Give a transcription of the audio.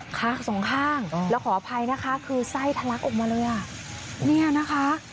ข้างสองข้างแล้วขออภัยนะคะคือไส้ทะลักออกมาเลยอ่ะเนี่ยนะคะ